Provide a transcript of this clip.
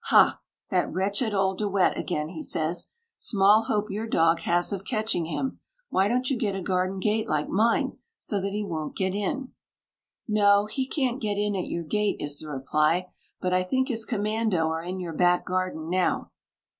"Ha! that wretched old De Wet again!" he says. "Small hope your dog has of catching him! Why don't you get a garden gate like mine, so that he won't get in?" "No; he can't get in at your gate," is the reply; "but I think his commando are in your back garden now."